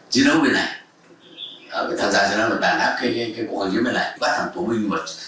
chiến đấu bên này tham gia chiến đấu bằng đàn áp cây cổ kháng chiến bên này vãn hàm thú binh